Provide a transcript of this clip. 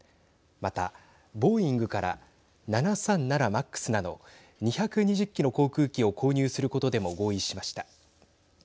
また、ボーイングから７３７ＭＡＸなど２２０機の航空機を購入することでも合意しました。